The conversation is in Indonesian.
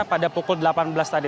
pada pukul delapan belas tadi